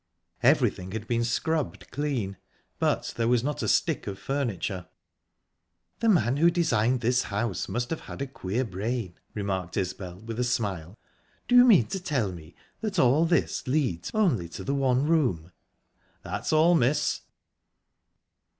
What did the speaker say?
Everything had been scrubbed clean, but there was not a stick of furniture. "The man who designed this house must have had a queer brain," remarked Isbel, with a smile. "Do you mean to tell me that all this leads only to the one room?" "That's all, miss."